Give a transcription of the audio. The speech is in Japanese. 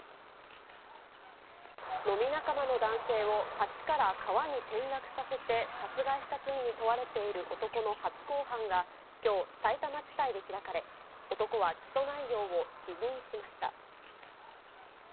飲み仲間の男性を橋から川に転落させて殺害した罪に問われている男の初公判が、きょう、さいたま地裁で開かれ、男は起訴内容を否認しました。